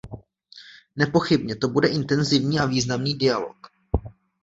Nepochybně to bude intenzivní a významný dialog.